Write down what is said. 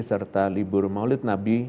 serta libur maulid nabi